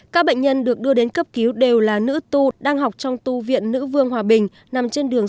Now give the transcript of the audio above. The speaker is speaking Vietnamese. các bệnh nhân được đưa đến cấp cứu đều là nữ tu đang học trong tu viện nữ vương hòa bình nằm trên đường